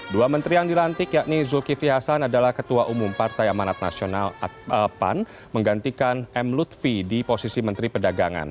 dua menteri yang dilantik yakni zulkifli hasan adalah ketua umum partai amanat nasional pan menggantikan m lutfi di posisi menteri pedagangan